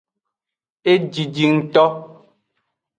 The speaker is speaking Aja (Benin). Ejiji ngto.